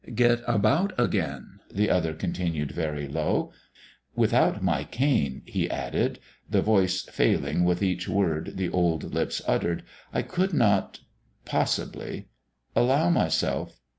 " get about again," the other continued very low. "Without my cane," he added, the voice failing with each word the old lips uttered, "I could not ... possibly ... allow myself